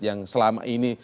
yang selama ini